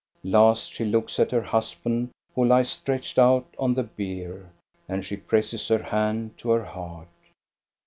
Last she looks at her husband, who lies stretched out on the bier, and she presses her hand to her heart.